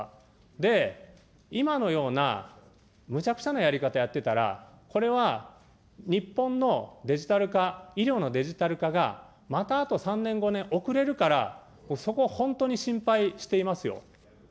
で、今のような、むちゃくちゃなやり方やってたら、これは日本のデジタル化、医療のデジタル化がまたあと３年、５年遅れるから、そこを本当に心配していますよ。